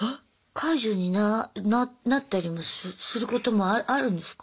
解除にななったりもすることもあるんですか？